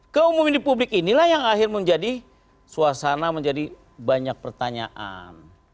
keumuman di publik inilah yang akhir menjadi suasana menjadi banyak pertanyaan